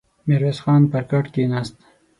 ميرويس خان پر کټ کېناست.